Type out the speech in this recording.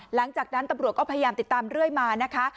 หลังจากนั้นตำรวจก็พยายามติดตามเรื่อยมานะคะ